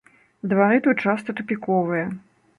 Двары тут часта тупіковыя.